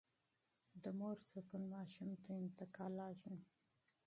د مور سکون ماشوم ته انتقالېږي.